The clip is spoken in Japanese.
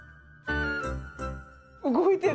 動いてる。